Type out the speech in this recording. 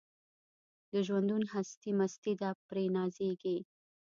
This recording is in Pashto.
د ژوندون هستي مستي ده پرې نازیږي